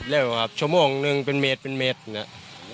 เร็วครับชั่วโมงหนึ่งเป็นเมตรเป็นเมตรเนี่ย